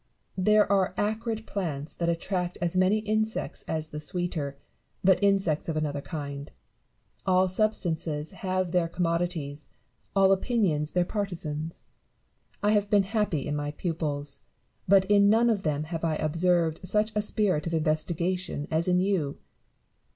There are acrid plants that attract as many insects as the sweeter, but insects of another kind. All substances have their com modities, all opinions their partisans. I have been happy in my pupils ; but in none of them have 1 observed such a spirit of investigation as in you.